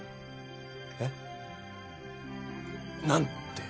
えっ何て？